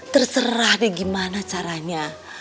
terserah deh gimana caranya